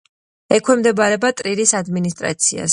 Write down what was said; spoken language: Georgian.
ექვემდებარება ტრირის ადმინისტრაციას.